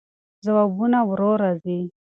ځوابونه ورو راځي.